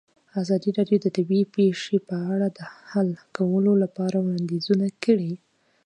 ازادي راډیو د طبیعي پېښې په اړه د حل کولو لپاره وړاندیزونه کړي.